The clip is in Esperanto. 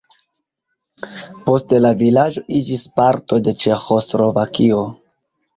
Poste la vilaĝo iĝis parto de Ĉeĥoslovakio.